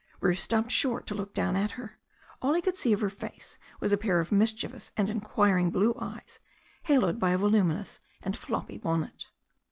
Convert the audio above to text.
Bruce stopped short to look down at her. All he could see of her face was a pair of mischievous and inquiring blue eyes, haloed by a voluminous and floppy bonnet.